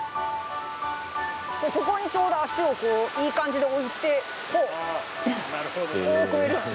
ここにちょうど足をこういい感じで置いてこう！